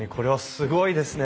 すごいですね。